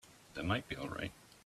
That might be all right.